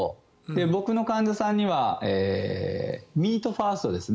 僕の患者さんにはミートファーストですね。